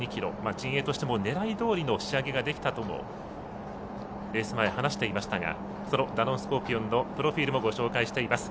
陣営としても狙いどおりの仕上げができたともレース前、話していましたがダノンスコーピオンのプロフィールもご紹介しています。